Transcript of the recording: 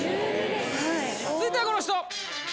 続いてはこの人！